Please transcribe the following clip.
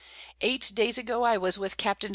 _Eight Days ago I was with Capts.